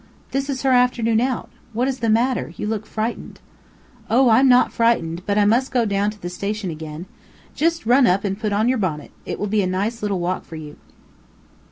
"This is her afternoon out. What is the matter? You look frightened." "Oh, I'm not frightened, but I find I must go down to the station again. Just run up and put on your bonnet. It will be a nice little walk for you."